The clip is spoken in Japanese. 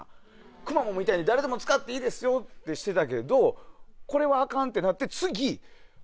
くまモンみたいに誰でも使っていいですってしてたけどこれはアカンってなって。